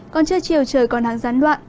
còn trưa chiều trời còn hẳn gián loạn